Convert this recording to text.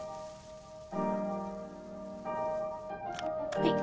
はい。